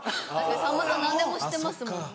さんまさん何でも知ってますもんね。